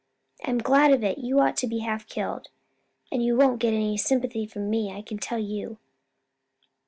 "I'm glad of it! You ought to be half killed, and you won't get any sympathy from me, I can tell you."